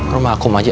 rumah aku maja